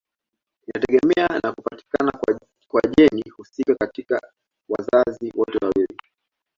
Inategemea na kupatikana kwa jeni husika katika wazazi wote wawili.